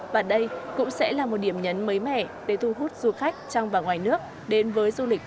và đây cũng sẽ là một điểm nhấn mới mẻ để thu hút du khách trong và ngoài nước đến với du lịch văn hóa lịch sử